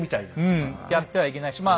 うんやってはいけないしまあ